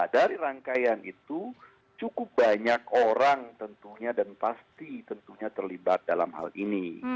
dari rangkaian itu cukup banyak orang tentunya dan pasti tentunya terlibat dalam hal ini